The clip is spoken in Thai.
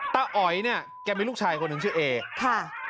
อ๋อยเนี่ยแกมีลูกชายคนหนึ่งชื่อเอค่ะ